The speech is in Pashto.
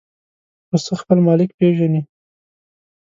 پسه خپل مالک پېژني.